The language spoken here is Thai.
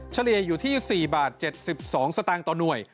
เฉลี่ยอยู่ที่๔บาท๗๒สตางค์ต่อหน่วย